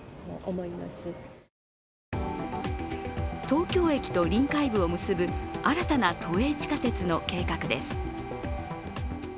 東京駅と臨海部を結ぶ新たな都営地下鉄の計画です。